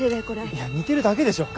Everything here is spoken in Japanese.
いや似てるだけでしょ。